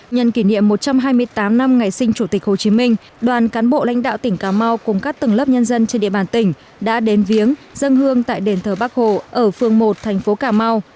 nhân kỷ niệm một trăm hai mươi tám năm ngày sinh chủ tịch hồ chí minh đoàn cán bộ lãnh đạo tỉnh cà mau cùng các tầng lớp nhân dân trên địa bàn tỉnh đã đến viếng dân hương tại đền thờ bắc hồ ở phương một thành phố cà mau